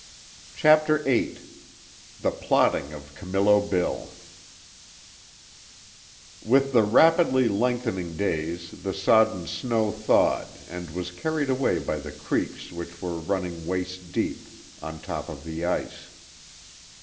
CHAPTER VIII THE PLOTTING OF CAMILLO BILL With the rapidly lengthening days the sodden snow thawed and was carried away by the creeks which were running waist deep on top of the ice.